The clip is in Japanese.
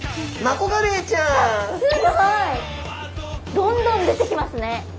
どんどん出てきますね。